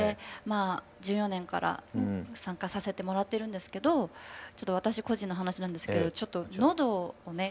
１４年から参加させてもらってるんですけどちょっと私個人の話なんですけどちょっと喉をね